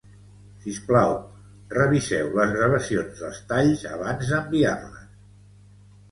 Sisplau, reviseu les gravacions dels talls abans d'enviar-les